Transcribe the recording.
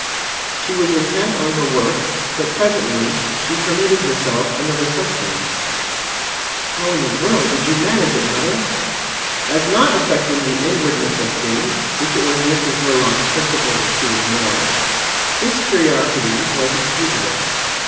She was intent on her work, but presently she permitted herself another question. "How in the world did you manage it, mother?" As not affecting the inwardness of things, which it was Mrs Verloc's principle to ignore, this curiosity was excusable.